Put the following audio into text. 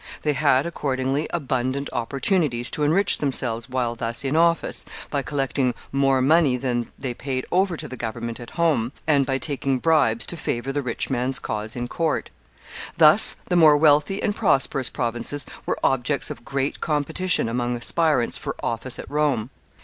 They had, accordingly, abundant opportunities to enrich themselves while thus in office, by collecting more money than they paid over to the government at home, and by taking bribes to favor the rich man's cause in court. Thus the more wealthy and prosperous provinces were objects of great competition among aspirants for office at Rome.